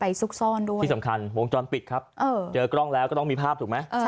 ซุกซ่อนด้วยที่สำคัญวงจรปิดครับเจอกล้องแล้วก็ต้องมีภาพถูกไหม